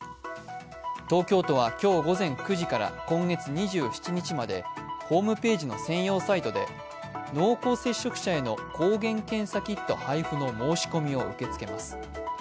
東京都は今日午前９時から今月２７日までホームページの専用サイトで濃厚接触者への抗原検査キット配布の申し込みを受け付けます。